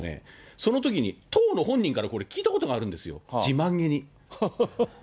そのときに当の本人からこれ、聞いたことがあるんですよ、自慢げに。